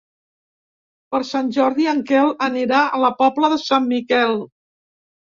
Per Sant Jordi en Quel anirà a la Pobla de Sant Miquel.